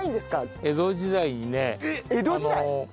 江戸時代？